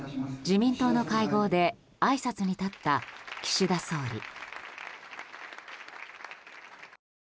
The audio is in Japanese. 自民党の会合であいさつに立った岸田総理。